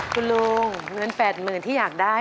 คุณลุงเงิน๘๐๐๐ที่อยากได้